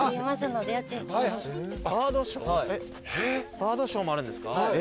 バードショーもあるんですか？